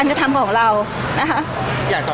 พี่ตอบได้แค่นี้จริงค่ะ